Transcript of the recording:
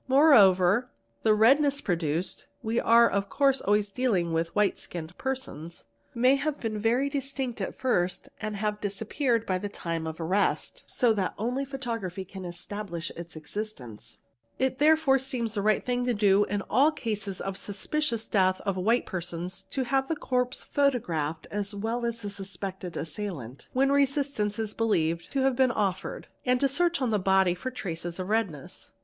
Moret t redness produced (we are of course always dealing with white skir persons) may have been very distinct at first and have Spee the time of arrest, so that only photography can establish its existence PHOTOGRAPHY—PARTICULAR CASES 257 'It therefore seems the right thing to do, in all cases of suspicious death of white persons, to have the corpse photographed as well as the suspected assailant, when resistance is believed to have been offered, and to search on the body for traces of redness.